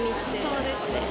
そうですね。